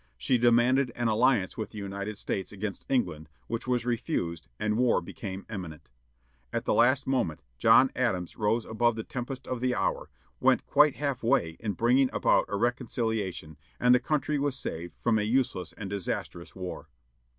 She demanded an alliance with the United States against England, which was refused, and war became imminent. At the last moment, John Adams rose above the tempest of the hour, went quite half way in bringing about a reconciliation, and the country was saved from a useless and disastrous war.